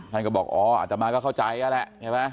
ท่านก็บอกอ๋ออาจจะมาก็เข้าใจอะแหละใช่ป่ะ